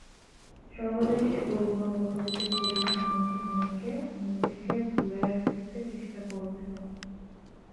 সর্বদাই সে গোলমাল বকাবকি করিয়া আনন্দময়ীকে ও নিজেক ভুলাইয়া রাখিতে চেষ্টা করিল।